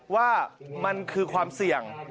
ว่ามันคือความเสี่ยง